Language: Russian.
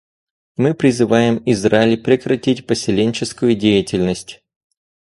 Мы призываем Израиль прекратить поселенческую деятельность.